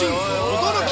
驚き！